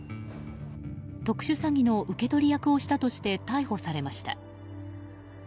特殊詐欺の受け取り役をしたとして逮捕されました。